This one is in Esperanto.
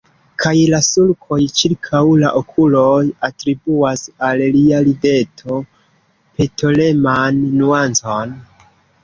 Kaj la sulkoj ĉirkaŭ la okuloj atribuas al lia rideto petoleman nuancon.